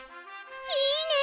いいね！